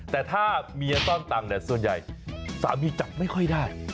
แต่ถ้าเมียซ่อนตังส่วนใหญ่สามีจับไม่ค่อยได้